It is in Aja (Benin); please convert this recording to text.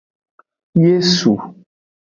Yesu.